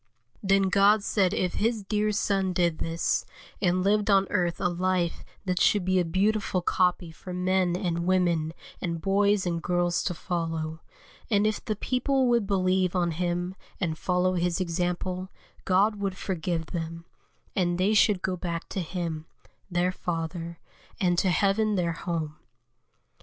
Then God said if His dear Son did this, and lived on earth a life that should be a beautiful copy for men and women and boys and girls to follow; and if the people would believe on Him and follow His example, God would forgive them, and they should go back to Him, their Father, and to heaven their home.